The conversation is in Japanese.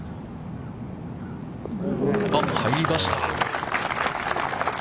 入りました。